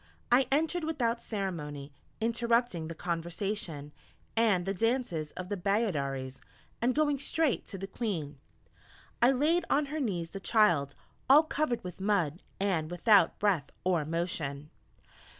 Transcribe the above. I entered without ceremony, interrupting the conversation, and the dances of the Bayaderes, and going straight to the Queen, I laid on her knees the child, all covered with mud, and without breath or motion.